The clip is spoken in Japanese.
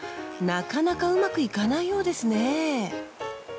なかなかうまくいかないようですね。